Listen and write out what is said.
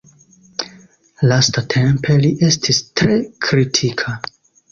Lastatempe li estis tre kritikita.